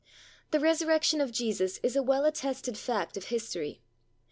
The resurrection of Jesus is a well attested fact of history.